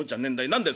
何だよ